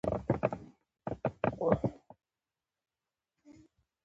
پخوا به ډېرې چارې او کسبونه د بدن په زور ترسره کیدل.